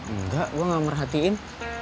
enggak gue gak merhatiin